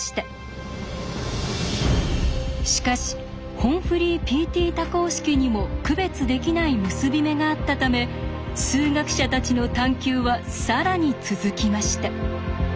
しかしＨＯＭＦＬＹＰＴ多項式にも区別できない結び目があったため数学者たちの探求は更に続きました。